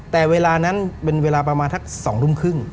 แต่เวลานั้นเป็นเวลาประมาณทัก๒ทุ่มครึ่ง